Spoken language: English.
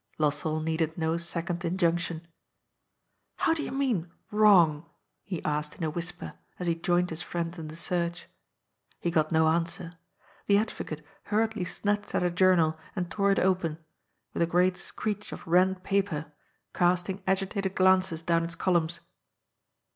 Lossell needed no second injunction. ^^How do jou mean ^wrong'?" he asked in a whisper, as he joined his friend in the search. He got no answer. The advocate hurriedly snatched at a journal and tore it open — with a great screech of rent paper — casting agitated glances down its columns.